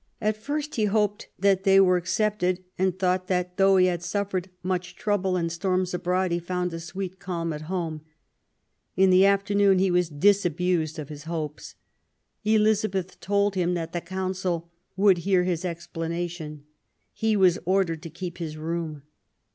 At first he hoped that they were accepted, and thought that "though he had suffered much trouble and storms abroad he found a sweet calm at home ". In the afternoon he was disabused of his hopes. Eliza beth told him that the Council would hear his explanation ; he was ordered to keep his room.